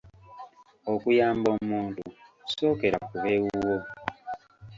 Okuyamba omuntu sookera ku b'ewuwo